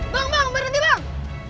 bang bang berhenti bang